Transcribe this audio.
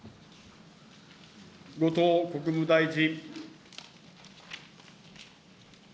後藤国務大臣。